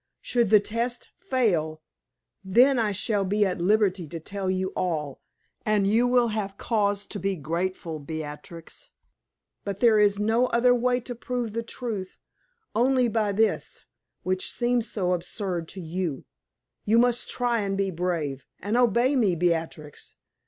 Should the test fail, then I shall be at liberty to tell you all, and you will have cause to be grateful, Beatrix. But there is no other way to prove the truth only by this, which seems so absurd to you. You must try and be brave, and obey me, Beatrix.